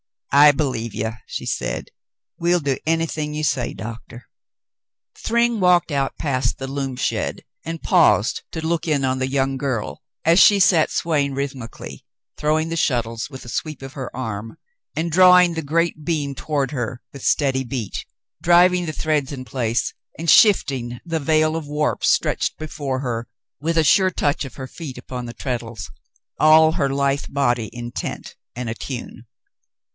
"I believe ye," she said. "We'll do anything you say, Doctah." Thryng walked out past the loom shed and paused to look in on the young girl as she sat swaying rhythmically, throwing the shuttles with a sweep of her arm, and draw ing the great beam toward her with steady beat, driving the threads in place, and shifting the veil of warp stretched before her with a sure touch of her feet upon the treadles, all her lithe body intent and atune.